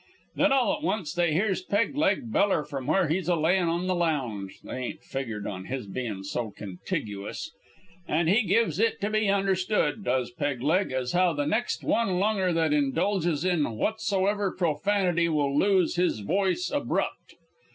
"Then all at once they hears Peg leg beller from where's he layin' on the lounge (they ain't figured on his bein' so contiguous), and he gives it to be understood, does Peg leg, as how the next one lunger that indulges in whatsoever profanity will lose his voice abrupt.